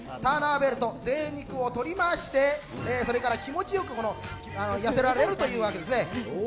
ぜい肉を取りまして、それから気持ちよく痩せられるというわけですね。